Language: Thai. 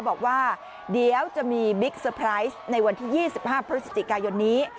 บอกว่าเดี๋ยวจะมีบิ๊กเซอร์ไพรส์ในวันที่๒๕พฤศจิกายนนี้